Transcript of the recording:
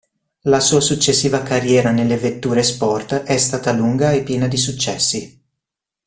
La sua successiva carriera nelle vetture sport è stata lunga e piena di successi.